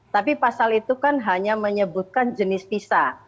tapi pasal itu kan hanya menyebutkan jenis visa